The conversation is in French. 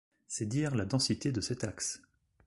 C'est dire la densité de cet axe.